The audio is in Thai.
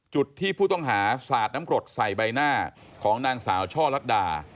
จุดที่ผู้ต้องหาสาดน้ำกรดใส่ใบหน้าของนางสาวช่อลัดดา